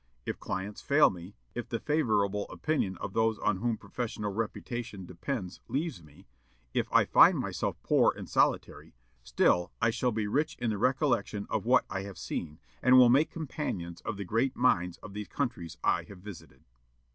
If clients fail me; if the favorable opinion of those on whom professional reputation depends leaves me; if I find myself poor and solitary, still I shall be rich in the recollection of what I have seen, and will make companions of the great minds of these countries I have visited."